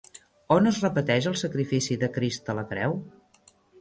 On es repeteix el sacrifici de Crist a la creu?